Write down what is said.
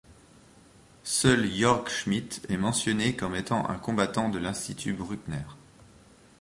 Seul Jörg Schmidt est mentionné comme étant un combattant de l’Institut Bruckner.